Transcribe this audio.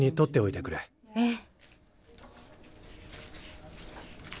ええ。